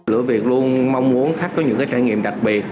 lửa việt luôn mong muốn khách có những cái trải nghiệm đặc biệt